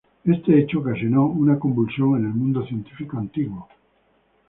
Este hecho ocasionó una convulsión en el mundo científico antiguo.